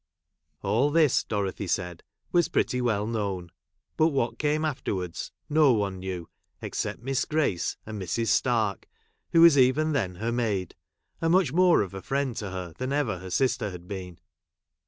All this, Dorothy said, was pretty well ' known ; but what came afterwards no one knew, except Miss Grace, and hlrs. Stark, who was even then her maid, and much more of a friend to her than over hei sister had li been.